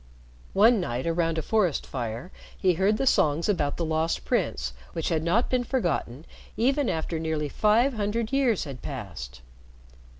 "One night around a forest fire he heard the songs about the Lost Prince which had not been forgotten even after nearly five hundred years had passed.